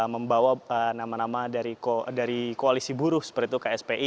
membawa nama nama dari koalisi buruh seperti itu kspi